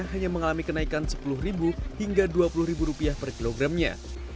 hanya mengalami kenaikan sepuluh rupiah hingga dua puluh rupiah per kilogramnya